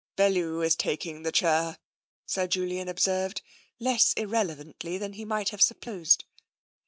" Bellew is taking the chair," Sir Julian observed, less irrelevantly than might have been supposed.